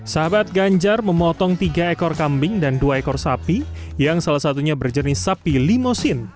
sahabat ganjar memotong tiga ekor kambing dan dua ekor sapi yang salah satunya berjenis sapi limosin